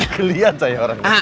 kelian saya orangnya